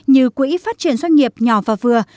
như quỹ phát triển doanh nghiệp nhỏ và vừa